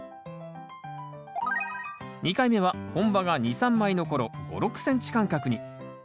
２回目は本葉が２３枚の頃５６ｃｍ間隔に。